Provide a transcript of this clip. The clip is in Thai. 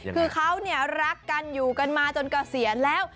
คือเขาเนี่ยรักกันอยู่กันมาจนเกษียณแล้ว